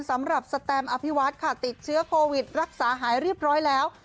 สำหรับสแตมอภิวัฒน์ค่ะติดเชื้อโควิดรักษาหายเรียบร้อยแล้ว